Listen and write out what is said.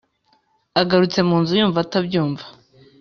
agarutse munzu yumva atabyumva